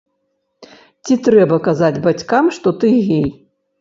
Ці трэба казаць бацькам, што ты гей?